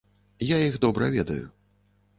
Я іх добра ведаю.